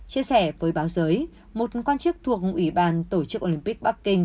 chia sẻ với báo giới một quan chức thuộc ủy ban tổ chức olympic bắc kinh